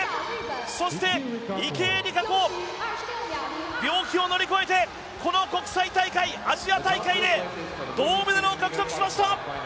そして、池江璃花子病気を乗り越えてこの国際大会、アジア大会で銅メダルを獲得しました！